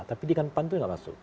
tapi dengan pan itu tidak masuk